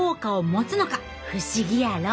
不思議やろ？